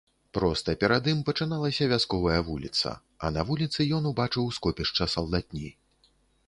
Проста перад ім пачыналася вясковая вуліца, а на вуліцы ён убачыў скопішча салдатні.